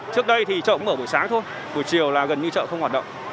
trước đây thì chợ mới mở buổi sáng thôi buổi chiều là gần như chợ không hoạt động